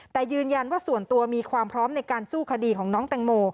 แต่ยืนยันว่าส่วนตัวมีความพร้อมในการสู้คดีของน้องแตงโม